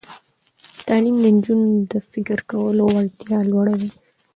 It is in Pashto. تعلیم د نجونو د فکر کولو وړتیا لوړوي.